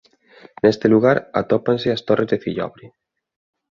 Neste lugar atópanse as Torres de Cillobre